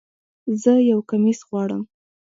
زه یو کمیس غواړم